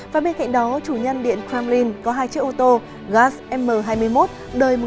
và bên cạnh đó chủ nhân điện kremlin có hai chiếc ô tô gas m hai mươi một đời một nghìn chín trăm sáu mươi và một nghìn chín trăm sáu mươi năm